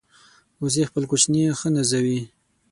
وزې خپل کوچني ښه نازوي